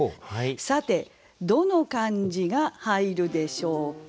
さてどの漢字が入るでしょうか？